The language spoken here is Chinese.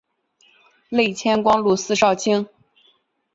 累迁光禄寺少卿。